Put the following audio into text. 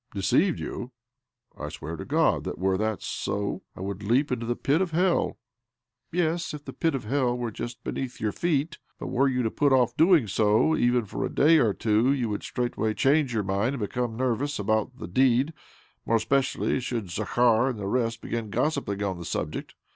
' Deceived you ? I swear to God that, were that so, I would leap into the pit of Hell 1 "" Yes— if the pit of Hell were just beneath your feet j but, were you to put off doing so, eVen for a day qx two, you would straigl^tway change your mind, and become nervous about the deed — more especially should Zakhar and the rest begin gossiping on the subject!